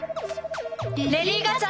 レディー・ガチャ！